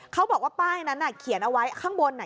เขาบอกว่าป้ายนั้นเขียนเอาไว้ข้างบน